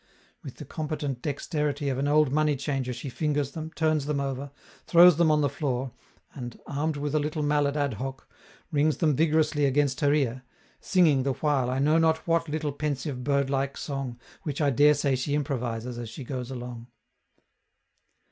With the competent dexterity of an old money changer she fingers them, turns them over, throws them on the floor, and, armed with a little mallet ad hoc, rings them vigorously against her ear, singing the while I know not what little pensive bird like song which I daresay she improvises as she goes along.